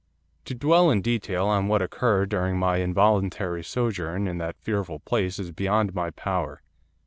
'To dwell in detail on what occurred during my involuntary sojourn in that fearful place is beyond my power.